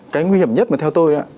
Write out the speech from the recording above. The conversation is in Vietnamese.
cái nguy hiểm nhất mà theo tôi